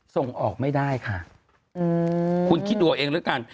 ส่งออกไม่ได้ค่ะคุณคิดดูเอาเองแล้วกัน